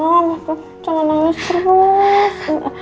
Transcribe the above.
ya allah jangan nangis terus